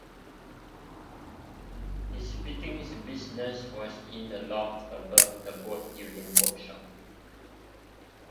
His fittings business was in the loft above the boatbuilding workshop.